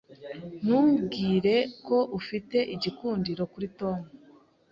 Ntumbwire ko ufite igikundiro kuri Tom.